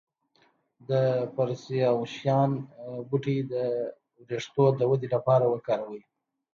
د پرسیاوشان بوټی د ویښتو د ودې لپاره وکاروئ